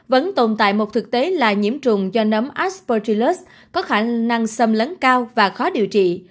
vẫn tồn tại một thực tế là nhiễm trùng do nấm asportilus có khả năng xâm lấn cao và khó điều trị